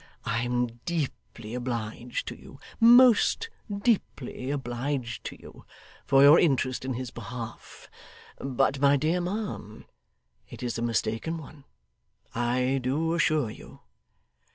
I am deeply obliged to you most deeply obliged to you for your interest in his behalf; but my dear ma'am, it is a mistaken one, I do assure you.